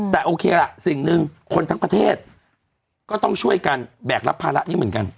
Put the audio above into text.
แต่โอเคล่ะสิ่งหนึ่งคนทั้งประเทศก็ต้องช่วยกันแบกรับภาระนี้เหมือนกัน